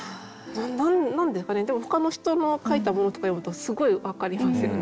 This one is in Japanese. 何ですかねでもほかの人の書いたものとか読むとすごいわかりますよね。